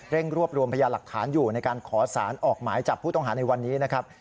รวบรวมพยาหลักฐานอยู่ในการขอสารออกหมายจับผู้ต้องหาในวันนี้นะครับ